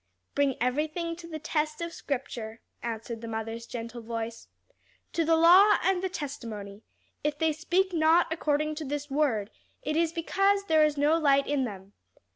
"Bring everything to the test of scripture," answered the mother's gentle voice. "'To the law and the testimony: if they speak not according to this word, it is because there is no light in them.'